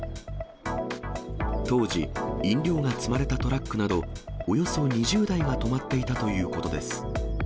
当時、飲料が積まれたトラックなど、およそ２０台が止まっていたということです。